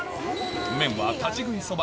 麺は立ち食いそば